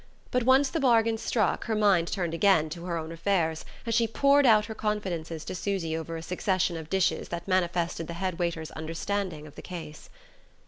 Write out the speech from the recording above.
But once the bargain struck her mind turned again to her own affairs, and she poured out her confidences to Susy over a succession of dishes that manifested the head waiter's understanding of the case.